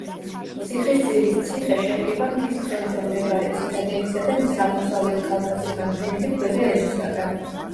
ციხისძირის ციხე შედგება მთის თხემზე მდებარე ციტადელისა და მის აღმოსავლეთ კალთაზე განფენილი ქვედა ეზოსაგან.